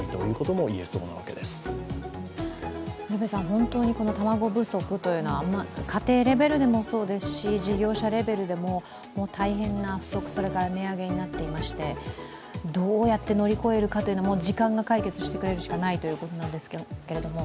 本当に卵不足は家庭レベルでもそうですし、事業者レベルでも大変な不足、それから値上げになってましてどうやって乗り越えるかというのは、時間が解決してくれるということしかないんですが。